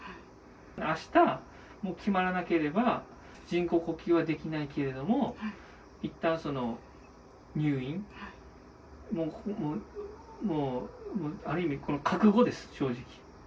あした、もう決まらなければ、人工呼吸はできないけれども、いったん入院、ある意味、この覚悟です、正直。